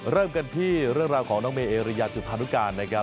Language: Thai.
เริ่มกันที่เรื่องราวของน้องเมเอริยาจุธานุการนะครับ